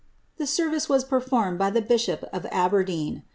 The service was perloriiieJ by the bishop of Abcrdefn.